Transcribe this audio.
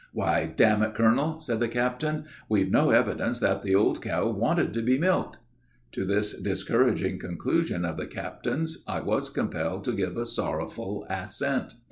"'Why, damn it, colonel,' said the captain, 'we've no evidence that the old cow wanted to be milked!' "To this discouraging conclusion of the captain's I was compelled to give a sorrowful assent.